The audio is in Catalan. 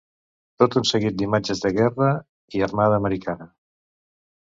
Tot un seguit d’imatges de guerra i armada americana.